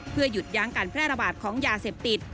เพื่อหยุดยั้งการแพร่ระบาดของยาเสพติด